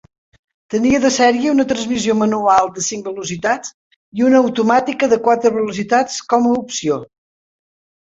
Tenia de sèrie una transmissió manual de cinc velocitats i una automàtica de quatre velocitats com a opció.